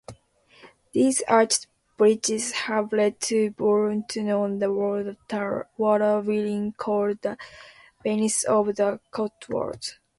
These arched bridges have led to Bourton-on-the-Water being called the "Venice of the Cotswolds".